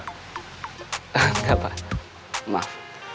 gak apa maaf